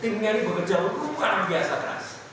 timnya ini bekerja untuk luar biasa keras